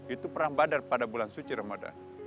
itu perang badar pada bulan suci ramadan